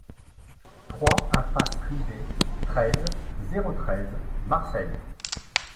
trois impasse Rivet, treize, zéro treize, Marseille